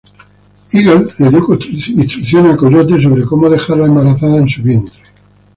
Eagle le dio instrucciones a Coyote sobre cómo dejarla embarazada en su vientre.